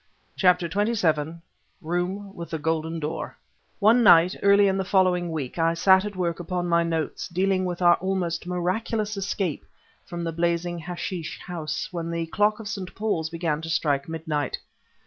CHAPTER XXVII ROOM WITH THE GOLDEN DOOR One night early in the following week I sat at work upon my notes dealing with our almost miraculous escape from the blazing hashish house when the clock of St. Paul's began to strike midnight.